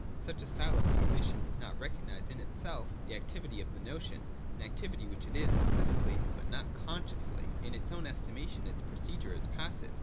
Such a style of Cognition does not recognise in itself the activity of the notion — an activity which it is implicitly, but not consciously. In its own estimation its procedure is passive.